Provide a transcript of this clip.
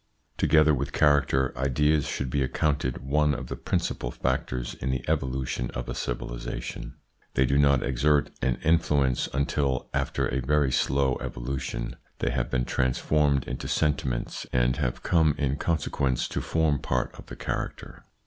Together with character, ideas should be ac counted one of the principal factors in the evolution of a civilisation. They do not exert an influence until, after a very slow evolution, they have been transformed into sentiments and have come in con sequence to form part of the character.